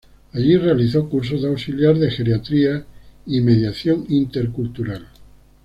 Allí realizó cursos de auxiliar de geriatría y mediación intercultural.